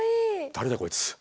誰だこいつ。